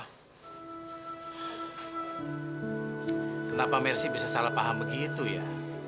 kenapa mercy bisa salah paham begitu ya